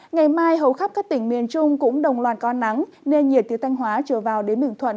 ngày mai hầu khắp các tỉnh miền trung cũng đồng loạt có nắng nên nhiệt từ thanh hóa trở vào đến bình thuận